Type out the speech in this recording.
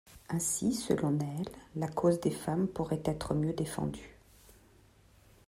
Ainsi, selon elle, la cause des femmes pourrait être mieux défendue.